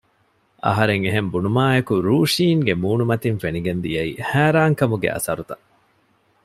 އަހަރެން އެހެން ބުނުމާއެކު ރޫޝިންގެ މޫނުމަތިން ފެނިގެން ދިޔައީ ހައިރާން ކަމުގެ އަސަރުތައް